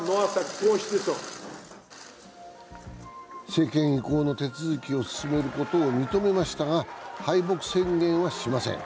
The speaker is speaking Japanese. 政権移行の手続きを進めることを認めましたが、敗北宣言はしません。